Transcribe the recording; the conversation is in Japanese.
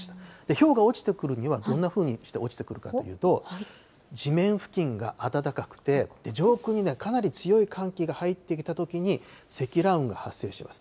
ひょうが落ちてくるには、どんなふうにして落ちてくるかというと、地面付近が暖かくて、上空にかなり強い寒気が入ってきたときに、積乱雲が発生します。